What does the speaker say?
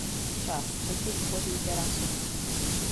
Část střechy tvoří terasu.